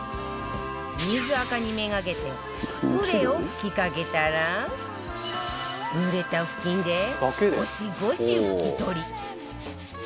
水アカに目がけてスプレーを吹きかけたら濡れたふきんでゴシゴシ拭き取り